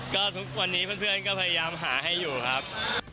ก็ทุกวันนี้เพื่อนก็พยายามหาให้อยู่ครับ